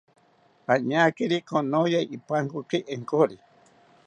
Añakiri konoya ipankoki inkori